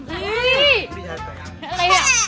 อันนี้เป็นพี่ดาวคนที่